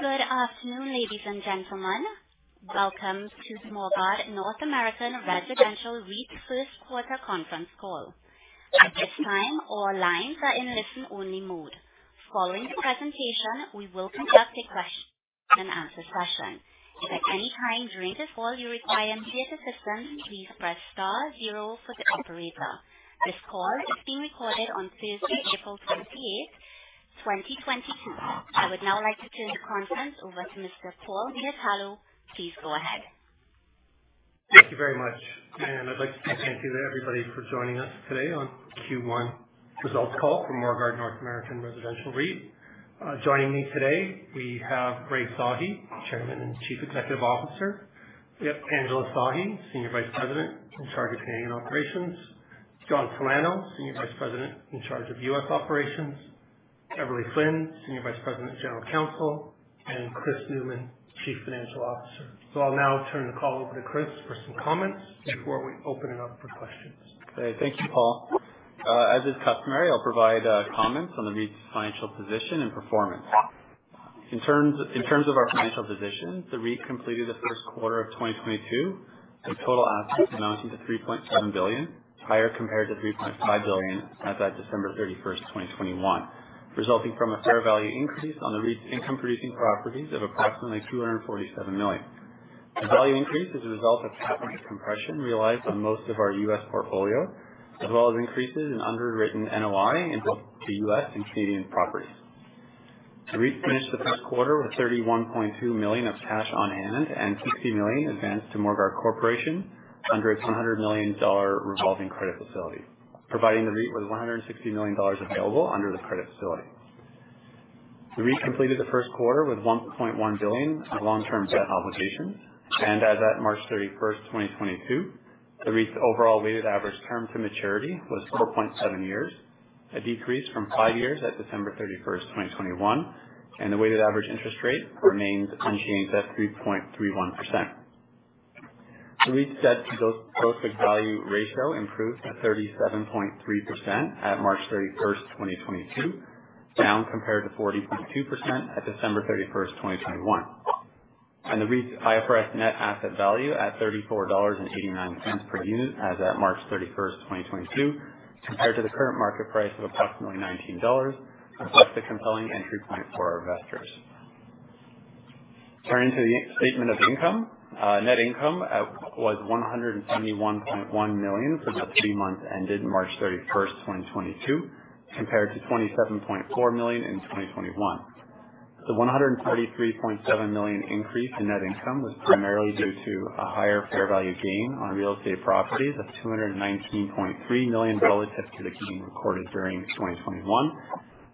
Good afternoon, ladies and gentlemen. Welcome to Morguard North American Residential REIT Q1 conference call. At this time, all lines are in listen-only mode. Following the presentation, we will conduct a question and answer session. If at any time during the call you require any assistance, please press star zero for the operator. This call is being recorded on Thursday, April 28, 2022. I would now like to turn the conference over to Mr. Paul Miatello. Please go ahead. Thank you very much. I'd like to say thank you to everybody for joining us today on Q1 results call from Morguard North American Residential REIT. Joining me today, we have Rai Sahi, Chairman and Chief Executive Officer. We have Angela Sahi, Senior Vice President in charge of Canadian Operations. John Talano, Senior Vice President in charge of U.S. Operations. Beverley Flynn, Senior Vice President and General Counsel, and Chris Newman, Chief Financial Officer. I'll now turn the call over to Chris for some comments before we open it up for questions. Okay. Thank you, Paul. As is customary, I'll provide comments on the REIT's financial position and performance. In terms of our financial position, the REIT completed the Q1 of 2022 with total assets amounting to 3.7 billion, higher compared to 3.5 billion as at December 31, 2021, resulting from a fair value increase on the REIT's income-producing properties of approximately CAD 247 million. The value increase is a result of capital compression realized on most of our U.S. portfolio, as well as increases in underwritten NOI in both the U.S. and Canadian properties. The REIT finished the Q1 with 31.2 million of cash on hand and 60 million advanced to Morguard Corporation under its 100 million dollar revolving credit facility, providing the REIT with 160 million dollars available under the credit facility. The REIT completed the Q1 with 1.1 billion of long-term debt obligations. As at March 31, 2022, the REIT's overall weighted average term to maturity was 4.7 years, a decrease from 5 years at December 31, 2021, and the weighted average interest rate remains unchanged at 3.31%. The REIT's debt-to-book value ratio improved to 37.3% at March 31, 2022, down compared to 40.2% at December 31, 2021. The REIT's IFRS net asset value at 34.89 dollars per unit as at March 31, 2022, compared to the current market price of approximately 19 dollars, reflects the compelling entry point for our investors. Turning to the statement of income. Net income was 171.1 million for the three months ended March 31, 2022, compared to 27.4 million in 2021. The 133.7 million increase in net income was primarily due to a higher fair value gain on real estate properties of 219.3 million relative to the gain recorded during 2021,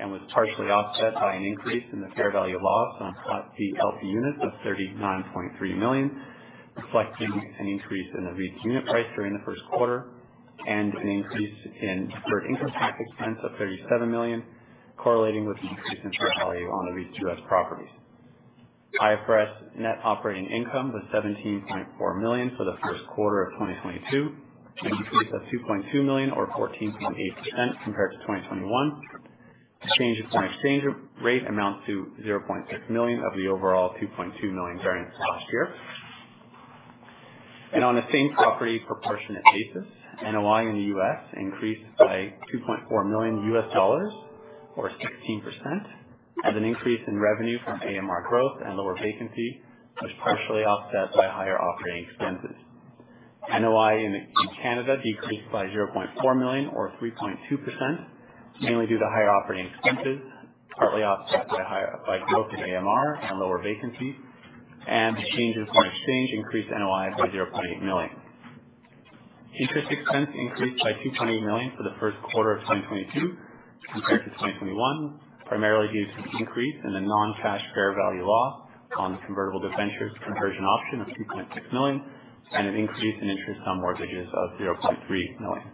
and was partially offset by an increase in the fair value loss on Class B LP Units of 39.3 million, reflecting an increase in the REIT's unit price during the Q1 and an increase in deferred income tax expense of 37 million, correlating with the increase in fair value on the REIT's U.S. properties. IFRS net operating income was 17.4 million for the Q1 of 2022, an increase of 2.2 million or 14.8% compared to 2021. Changes in foreign exchange rate amount to 0.6 million of the overall 2.2 million variance last year. On a same-property proportionate basis, NOI in the U.S. increased by $2.4 million, or 16%, as an increase in revenue from AMR growth and lower vacancy was partially offset by higher operating expenses. NOI in Canada decreased by 0.4 million or 3.2%, mainly due to higher operating expenses, partly offset by growth in AMR and lower vacancies. Changes in foreign exchange increased NOI by 0.8 million. Interest expense increased by 2.8 million for the Q1 of 2022 compared to 2021, primarily due to the increase in the non-cash fair value loss on the convertible debentures conversion option of 2.6 million and an increase in interest on mortgages of 0.3 million.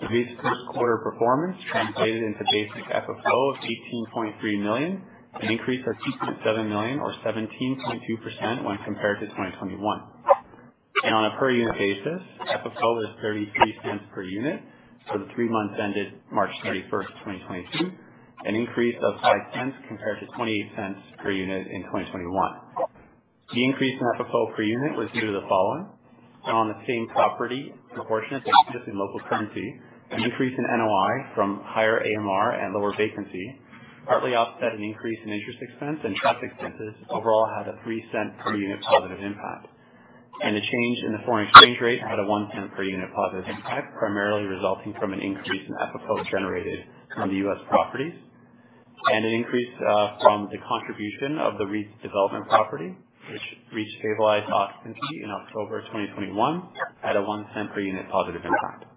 The REIT's Q1 performance translated into basic FFO of 18.3 million, an increase of 2.7 million or 17.2% when compared to 2021. On a per unit basis, FFO was 0.33 per unit for the three months ended March 31, 2022, an increase of 0.05 compared to 0.28 per unit in 2021. The increase in FFO per unit was due to the following. On the same property proportionate basis in local currency, an increase in NOI from higher AMR and lower vacancy partly offset an increase in interest expense and trust expenses, overall had a 0.03 per unit positive impact. The change in the foreign exchange rate had a 0.01 per unit positive impact, primarily resulting from an increase in FFO generated from the U.S. properties. An increase from the contribution of the REIT's development property, which reached stabilized occupancy in October 2021, had a 0.01 per unit positive impact.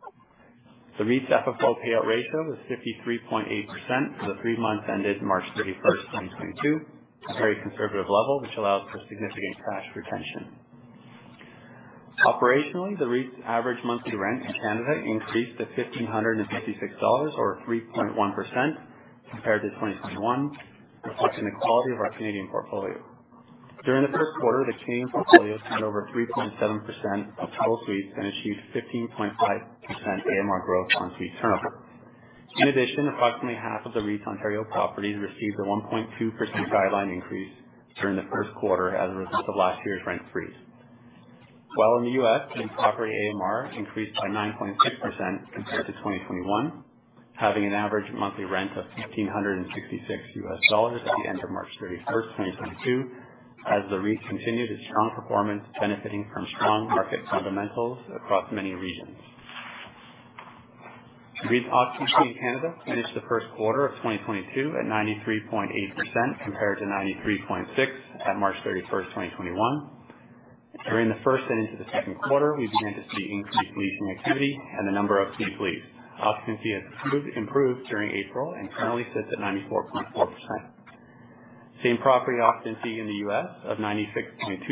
The REIT's FFO payout ratio was 53.8% for the three months ended March 31, 2022, a very conservative level which allows for significant cash retention. Operationally, the REIT's average monthly rent in Canada increased to 1,556 dollars or 3.1% compared to 2021, reflecting the quality of our Canadian portfolio. During the Q1, the Canadian portfolio had over 3.7% of total suites and achieved 15.5% AMR growth on suite turnover. In addition, approximately half of the REIT's Ontario properties received a 1.2% guideline increase during the Q1 as a result of last year's rent freeze. While in the US, same property AMR increased by 9.6% compared to 2021, having an average monthly rent of $1,566 at the end of March 31, 2022, as the REIT continued its strong performance benefiting from strong market fundamentals across many regions. REIT's occupancy in Canada finished the Q1 of 2022 at 93.8% compared to 93.6% at March 31, 2021. During the first and into the Q2, we began to see increased leasing activity and the number of suites leased. Occupancy has improved during April and currently sits at 94.4%. Same property occupancy in the U.S. of 96.2%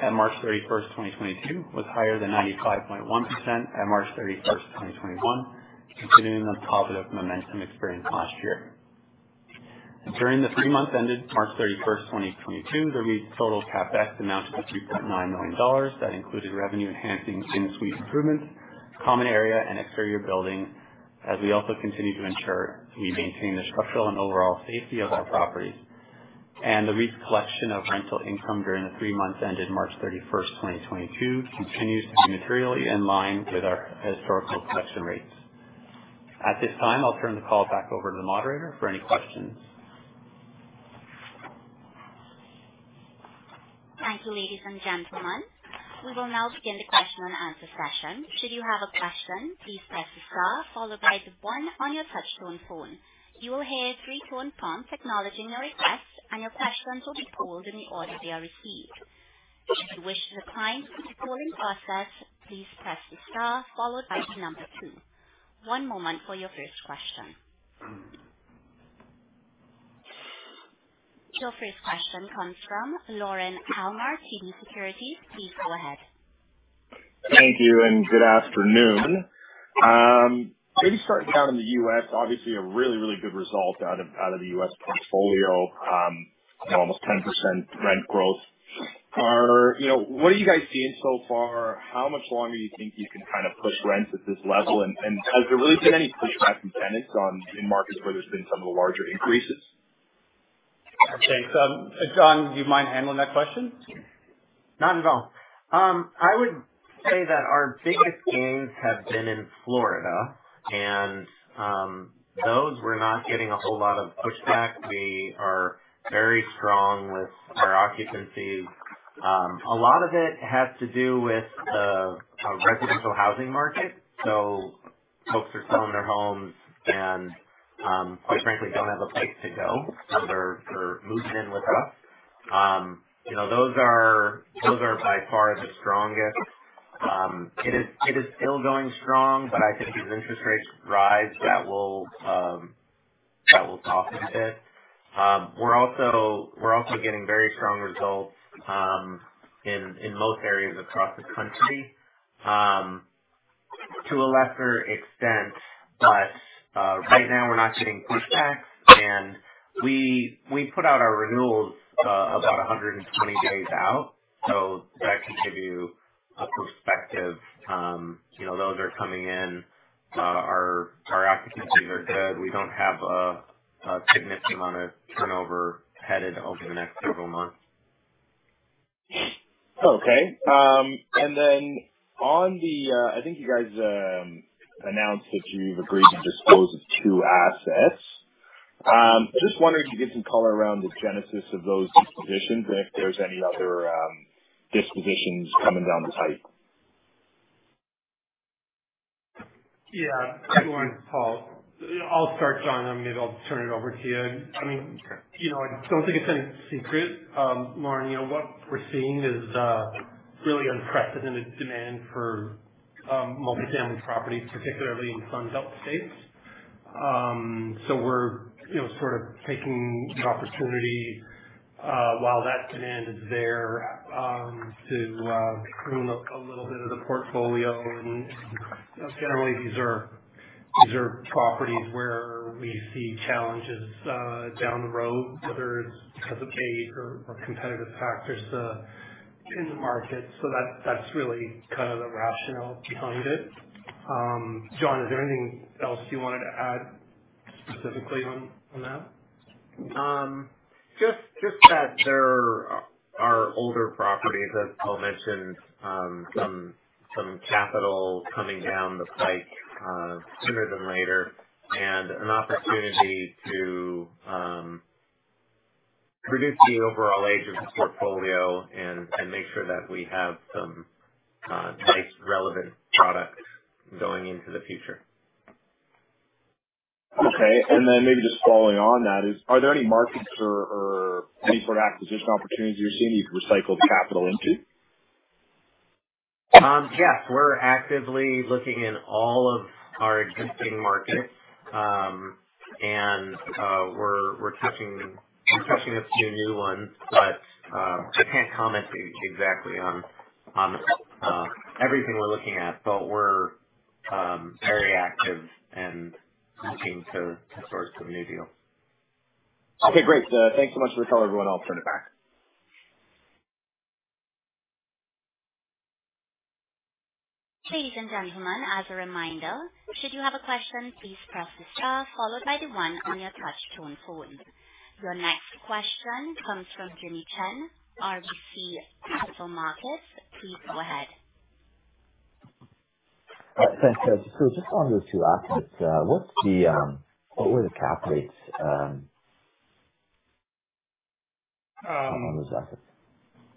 at March 31, 2022 was higher than 95.1% at March 31, 2021, continuing the positive momentum experienced last year. During the three months ended March 31, 2022, the REIT's total CapEx amounted to 3.9 million dollars. That included revenue enhancing in-suite improvements, common area and exterior building, as we also continue to ensure we maintain the structural and overall safety of our properties. The REIT's collection of rental income during the three months ended March 31st, 2022 continues to be materially in line with our historical collection rates. At this time, I'll turn the call back over to the moderator for any questions. Thank you, ladies and gentlemen. We will now begin the question and answer session. Should you have a question, please press the star followed by the one on your touchtone phone. You will hear a three-tone prompt acknowledging your request, and your questions will be called in the order they are received. If you wish to decline the calling process, please press the star followed by the number two. One moment for your first question. Your first question comes from Lorne Kalmar, TD Securities. Please go ahead. Thank you and good afternoon. Maybe starting out in the US, obviously a really, really good result out of the US portfolio. You know, almost 10% rent growth. You know, what are you guys seeing so far? How much longer do you think you can kind of push rents at this level? Has there really been any pushback from tenants in markets where there's been some of the larger increases? Okay. John, do you mind handling that question? Not at all. I would say that our biggest gains have been in Florida and, those we're not getting a whole lot of pushback. We are very strong with our occupancies. A lot of it has to do with the residential housing market. Folks are selling their homes and, quite frankly, don't have a place to go, so they're moving in with us. You know, those are by far the strongest. It is still going strong, but I think as interest rates rise that will soften a bit. We're also getting very strong results, in most areas across the country, to a lesser extent. Right now we're not getting pushback. We put out our renewals about 120 days out, so that can give you a perspective. You know, those are coming in. Our occupancies are good. We don't have a significant amount of turnover headed over the next several months. Okay. I think you guys announced that you've agreed to dispose of 2 assets. I just wondered if you could give some color around the genesis of those dispositions and if there's any other dispositions coming down the pipe? Yeah. Hi, Lorne. Paul, I'll start, John, and maybe I'll turn it over to you. I mean, you know, I don't think it's any secret, Lauren, you know, what we're seeing is really unprecedented demand for multi-family properties, particularly in Sunbelt states. So we're, you know, sort of taking the opportunity while that demand is there to prune up a little bit of the portfolio. And you know, generally these are properties where we see challenges down the road, whether it's because of age or competitive factors in the market. So that's really kind of the rationale behind it. John, is there anything else you wanted to add specifically on that? Just that they are older properties, as Paul mentioned. Some capital coming down the pipe sooner than later, and an opportunity to reduce the overall age of the portfolio and make sure that we have some nice relevant products going into the future. Okay. Maybe just following on that is, are there any markets or any sort of acquisition opportunities you're seeing you could recycle the capital into? Yes. We're actively looking in all of our existing markets. We're touching a few new ones, but I can't comment exactly on everything we're looking at, but we're very active. Looking to sort of a new deal. Okay, great. Thanks so much for the call, everyone. I'll turn it back. Ladies and gentlemen, as a reminder, should you have a question, please press star followed by the one on your touch tone phone. Your next question comes from Jimmy Shan, RBC Capital Markets. Please go ahead. Thanks. Just on those two assets, what were the cap rates on those assets?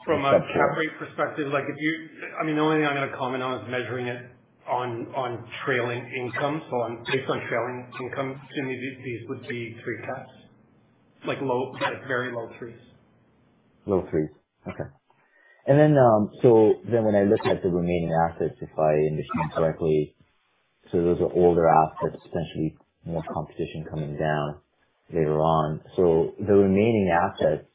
From a cap rate perspective, I mean, the only thing I'm gonna comment on is measuring it on trailing income. Based on trailing income, Jimmy, these would be three caps. Like low, like very low threes. Low 3s. Okay. When I look at the remaining assets, if I understand correctly, so those are older assets, potentially more competition coming down later on. The remaining assets,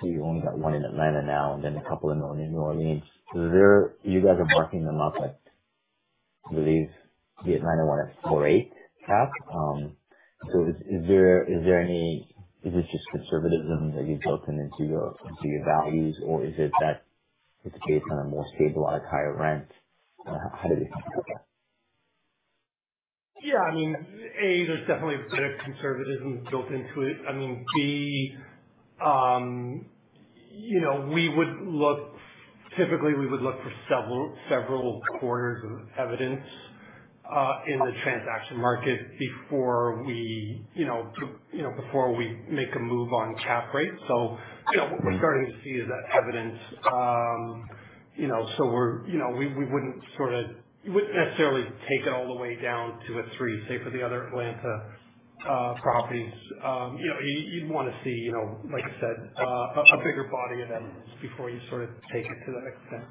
so you only got one in Atlanta now and then a couple in New Orleans. You guys are marking them up at, I believe, the Atlanta one at 4.8 cap. Is there any. Is it just conservatism that you've built into your values, or is it that it's based on a more stabilized, higher rent? How do we think about that? Yeah, I mean, A, there's definitely a bit of conservatism built into it. I mean, B, you know, Typically, we would look for several quarters of evidence in the transaction market before we, you know, before we make a move on cap rates. You know, what we're starting to see is that evidence, you know, We wouldn't necessarily take it all the way down to a 3, say for the other Atlanta properties. You know, you'd wanna see, you know, like you said, a bigger body of evidence before you sort of take it to the next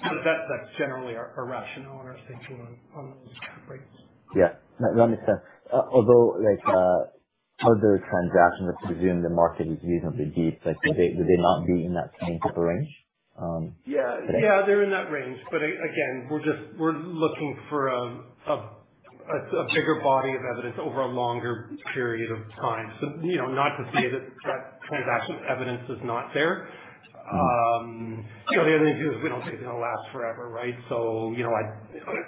step. That's generally our rationale and our thinking on those cap rates. Yeah. No, that makes sense. Although, like, how are the transactions assuming the market is reasonably deep, like would they not be in that same type of range? Yeah. Yeah, they're in that range, but again, we're just looking for a bigger body of evidence over a longer period of time. You know, not to say that that transaction evidence is not there. You know, the other thing too is we don't think it'll last forever, right? You know,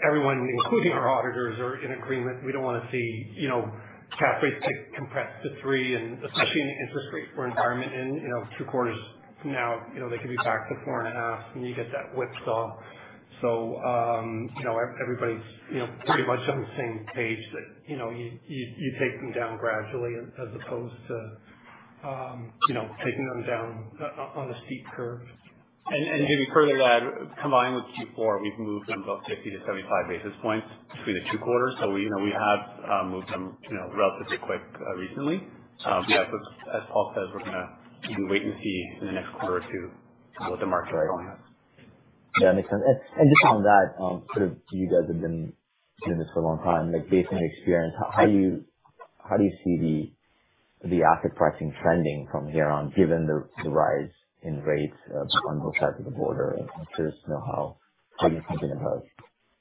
everyone, including our auditors, are in agreement. We don't wanna see, you know, cap rates get compressed to 3, and especially in an interest rate environment. You know, 2 quarters from now, you know, they could be back to 4.5, and you get that whipsaw. You know, everybody's, you know, pretty much on the same page that, you know, you take them down gradually as opposed to, you know, taking them down on a steep curve. Jimmy, further to that, combined with Q4, we've moved them both 50-75 basis points between the two quarters. We, you know, have moved them, you know, relatively quick, recently. Yes, as Paul says, we're gonna keep wait and see in the next quarter or two what the market settles on. Yeah, that makes sense. Just on that, sort of you guys have been doing this for a long time. Like based on experience, how do you see the asset pricing trending from here on given the rise in rates on both sides of the border? I'm curious to know how you're thinking about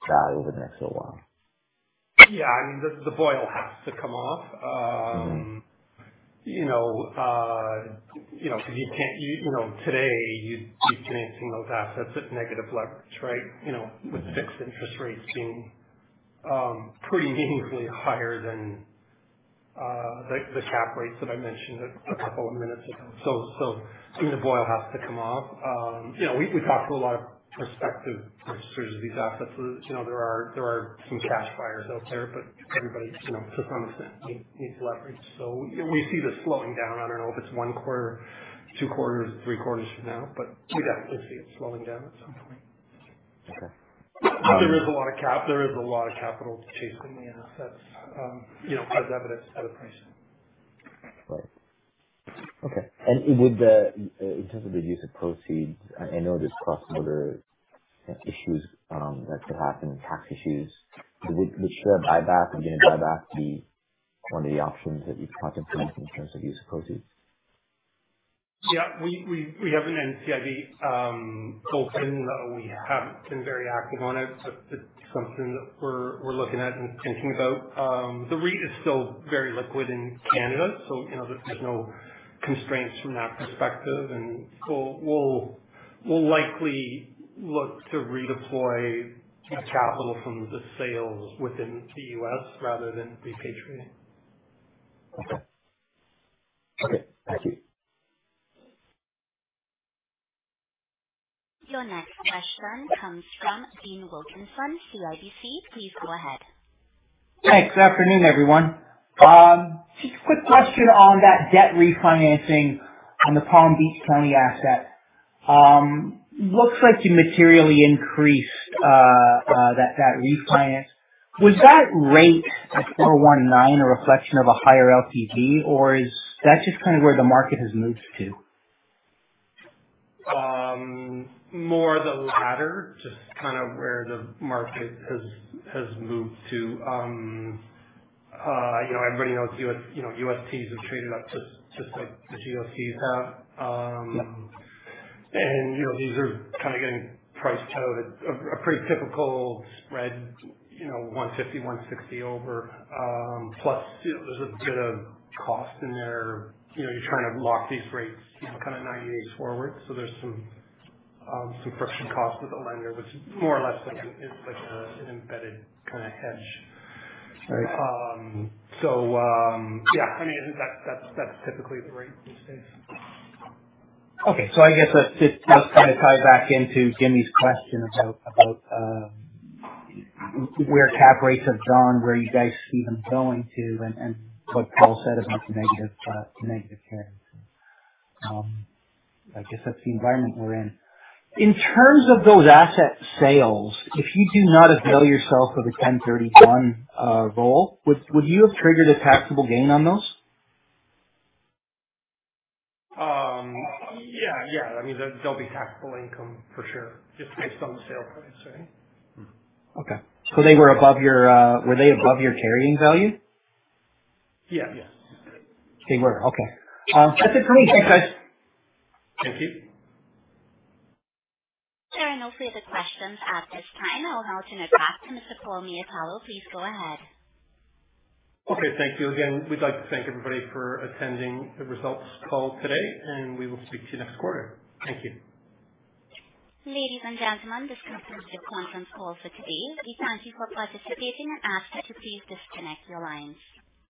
that over the next little while. Yeah. I mean, the boil has to come off. Mm-hmm. You know, today you're financing those assets at negative leverage, right? You know. Mm-hmm. With fixed interest rates being pretty meaningfully higher than the cap rates that I mentioned a couple of minutes ago. I mean the boil has to come off. You know, we've talked to a lot of prospective purchasers of these assets. You know, there are some cash buyers out there, but everybody, you know, to some extent needs leverage. We see this slowing down. I don't know if it's one quarter, two quarters, three quarters from now, but we definitely see it slowing down at some point. Okay. There is a lot of capital chasing the assets, you know, as evidenced by the pricing. Right. Okay. In terms of the use of proceeds, I know there's cross-border issues that could happen and tax issues. Would share buyback and doing a buyback be one of the options that you'd contemplate in terms of use of proceeds? Yeah. We haven't been very active on it, but it's something that we're looking at and thinking about. The REIT is still very liquid in Canada, so you know, there's no constraints from that perspective. We'll likely look to redeploy the capital from the sales within the U.S. rather than repatriate. Okay. Okay, thank you. Your next question comes from Dean Wilkinson from CIBC. Please go ahead. Thanks. Good afternoon, everyone. Just a quick question on that debt refinancing on the Palm Beach County asset. Looks like you materially increased that refinance. Was that rate at 4.19 a reflection of a higher LTV, or is that just kind of where the market has moved to? More the latter. Just kind of where the market has moved to. You know, everybody knows U.S., you know, USTs have traded up just like the GOCs have. You know, these are kind of getting priced out at a pretty typical spread, you know, 150-160 over. Plus, you know, there's a bit of cost in there. You know, you're trying to lock these rates, you know, kind of 90 days forward. There's some friction costs with the lender, which is more or less like an embedded kinda hedge. Right. Yeah. I mean, I think that's typically the rate these days. Okay. I guess that just kinda ties back into Jimmy's question about where cap rates have gone, where you guys see them going to, and what Paul said about the negative carry. I guess that's the environment we're in. In terms of those asset sales, if you do not avail yourself of a 1031 exchange roll, would you have triggered a taxable gain on those? Yeah. I mean, there'll be taxable income for sure, just based on the sale price. Were they above your carrying value? Yeah. Yes. They were. Okay. That's it for me. Thanks, guys. Thank you. There are no further questions at this time. I'll now turn it back to Mr. Paul Miatello. Please go ahead. Okay. Thank you again. We'd like to thank everybody for attending the results call today, and we will speak to you next quarter. Thank you. Ladies and gentlemen, this concludes the conference call for today. We thank you for participating and ask that you please disconnect your lines.